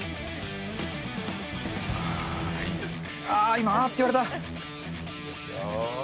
今、あーって言われた。